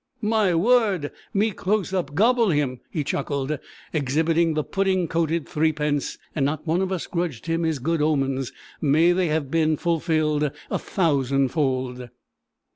"My word! Me close up gobble him," he chuckled, exhibiting the pudding coated threepence, and not one of us grudged him his good omens. May they have been fulfilled a thousand fold!